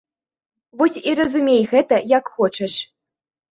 Вось і разумей гэта як хочаш.